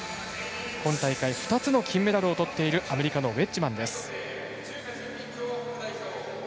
今大会２つの金メダルをとっているアメリカのウェッジマンです。